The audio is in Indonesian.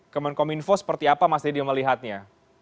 kemenkom info seperti apa mas deddy melihatnya